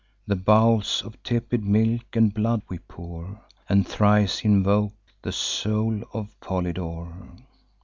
Then bowls of tepid milk and blood we pour, And thrice invoke the soul of Polydore.